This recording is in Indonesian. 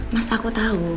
mas aku tahu